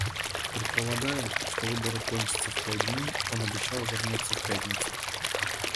Предполагая, что выборы кончатся в пять дней, он обещал вернуться в пятницу.